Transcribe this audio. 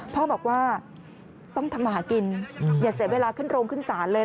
พ่อบอกว่าต้องทำมาหากินอย่าเสียเวลาขึ้นโรงขึ้นศาลเลย